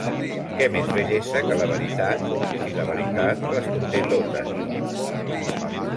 ¿Què més bellesa que la veritat, si la veritat les conté totes?